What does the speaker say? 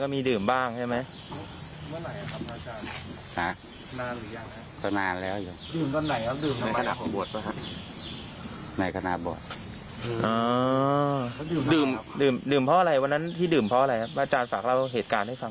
ก็มีดื่มบ้างใช่ไหมพระอาจารย์ฝากเราเหตุการณ์ให้ฟัง